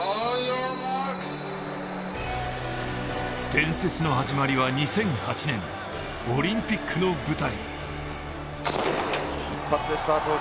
伝説の始まりは２００８年、オリンピックの舞台。